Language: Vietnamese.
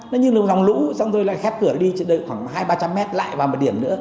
nó như là một dòng lũ xong rồi lại khép cửa đi khoảng hai trăm linh ba trăm linh mét lại vào một điểm nữa